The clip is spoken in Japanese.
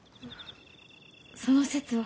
その節は。